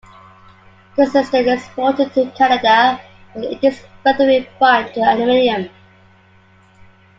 This is then exported to Canada where it is further refined to aluminium.